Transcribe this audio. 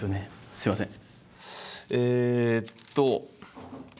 すいません。